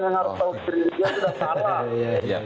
menteri rini sudah salah